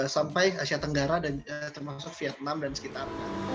sampai asia tenggara termasuk vietnam dan sekitarnya